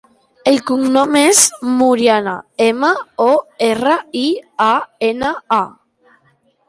El cognom és Moriana: ema, o, erra, i, a, ena, a.